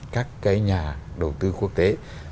các cái nhà đầu tư quốc tế